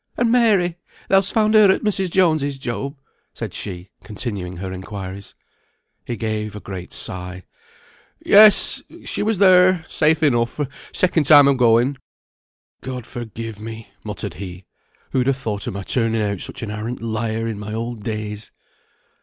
"And Mary? Thou'st found her at Mrs. Jones's, Job?" said she, continuing her inquiries. He gave a great sigh. "Yes, she was there, safe enough, second time of going. God forgive me!" muttered he, "who'd ha' thought of my turning out such an arrant liar in my old days?"